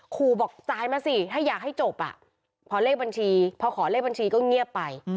ขู่บอกจ่ายมาสิถ้าอยากให้จบพอเลขบัญชีพอขอเลขบัญชีก็เงียบไป